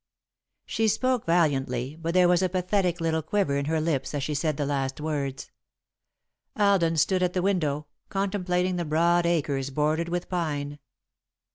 She spoke valiantly, but there was a pathetic little quiver in her lips as she said the last words. Alden stood at the window, contemplating the broad acres bordered with pine.